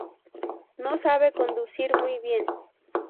No sabe conducir muy bien.